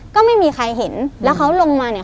ก็ไม่มีใครเห็นแล้วเขาลงมาเนี่ย